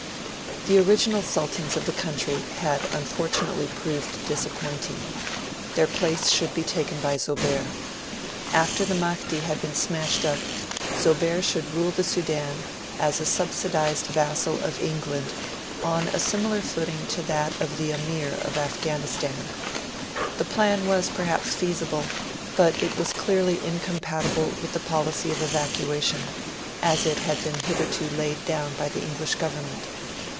The original Sultans of the country had unfortunately proved disappointing. Their place should be taken by Zobeir. After the Mahdi had been smashed up, Zobeir should rule the Sudan as a subsidised vassal of England, on a similar footing to that of the Amir of Afghanistan. The plan was perhaps feasible; but it was clearly incompatible with the policy of evacuation, as it had been hitherto laid down by the English Government.